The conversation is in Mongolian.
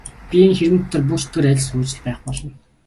Би энэ хэрмэн дотор буг чөтгөр адил сууж л байх болно.